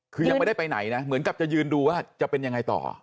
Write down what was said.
คือยังไม่ได้ไปไหนนะเหมือนกับจะยืนดูว่าจะเป็นยังไงต่อ